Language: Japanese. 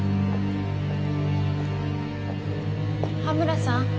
羽村さん？